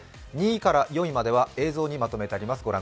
２位から４位までは映像にまとめてあります。